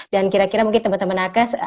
kira kira mungkin teman teman nakes